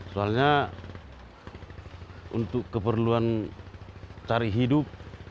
soalnya untuk keperluan cari hidup